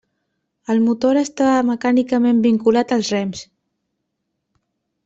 El motor estava mecànicament vinculat als rems.